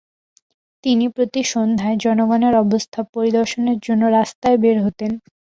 তিনি প্রতি সন্ধ্যায় জনগণের অবস্থা পরিদর্শনের জন্য রাস্তায় বের হতেন।